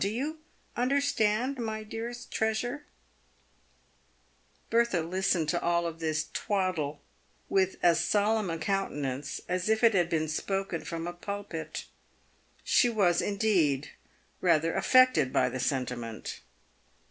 Ho you understand, my dearest treasure ?" Bertha listened to all this twaddle with as solemn a countenance as if it had been spoken from a pulpit. She was, indeed, rather affected by the sentiment.